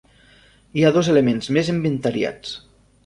Hi ha dos elements més inventariats.